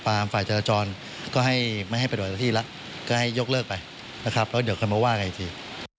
เราก็เจอกันมาว่ากันอีกที